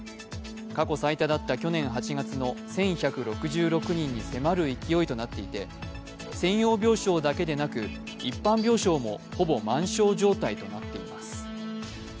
過去最多だった去年８月の１１６６人に迫る勢いとなっていて専用病床だけでなく一般病床もほぼ満床状態となっています。